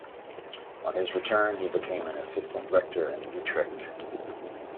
On his return, he became an assistant rector in Utrecht.